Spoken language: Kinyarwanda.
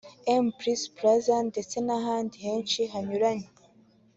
M Peace plaza ndetse n'ahandi henshi hanyuranye